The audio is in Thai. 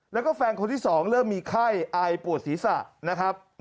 แล้วก็แฟนคนที่๒เริ่มมีไข้อายปวดศีรษะนะครับ